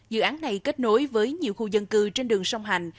dự án này kết nối với nhiều khu dân cư trên đường sông hành